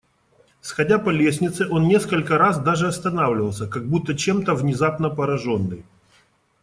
Сходя по лестнице, он несколько раз даже останавливался, как будто чем-то внезапно пораженный.